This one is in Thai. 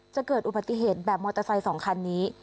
จะเกิดอุบัติเหตุแบบมอเตอร์ไซค์๒คันนี้